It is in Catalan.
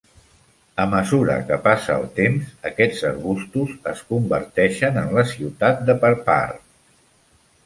A mesura que passa el temps, aquests arbustos es converteixen en la ciutat de Parepar.